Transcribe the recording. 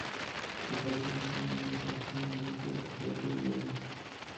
Los arrecifes están amenazados por un aumento de la temperatura del agua.